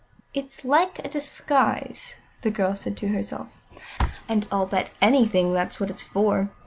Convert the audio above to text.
"It's like a disguise," the girl said to herself, "and I'll bet anything that's what it's for.